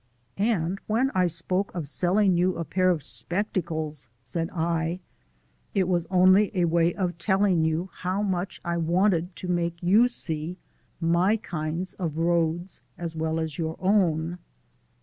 "And when I spoke of selling you a pair of spectacles," said I, "it was only a way of telling you how much I wanted to make you see my kinds of roads as well as your own."